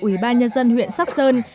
ủy ban nhân dân huyện sóc sơn